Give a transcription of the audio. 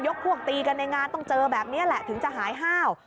พวกตีกันในงานต้องเจอแบบนี้แหละถึงจะหายห้าว